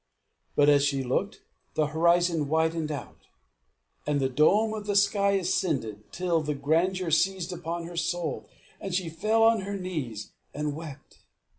But as she looked, the horizon widened out, and the dome of the sky ascended, till the grandeur seized upon her soul, and she fell on her knees and wept.